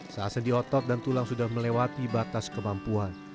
saat sedih otot dan tulang sudah melewati batas kemampuan